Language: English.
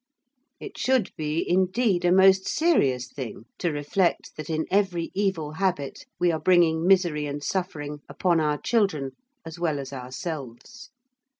It should be, indeed, a most serious thing to reflect that in every evil habit we are bringing misery and suffering upon our children as well as ourselves.